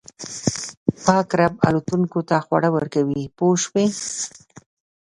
پاک رب الوتونکو ته خواړه ورکوي پوه شوې!.